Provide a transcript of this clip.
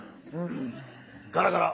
ガラガラ。